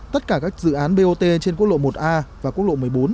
tất cả các dự án bot trên quốc lộ một a và quốc lộ một mươi bốn